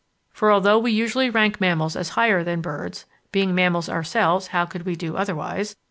For although we usually rank mammals as higher than birds (being mammals ourselves, how could we do otherwise?)